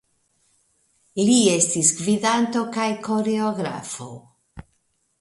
Li estis gvidanto kaj koreografo.